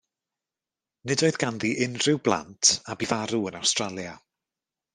Nid oedd ganddi unrhyw blant a bu farw yn Awstralia.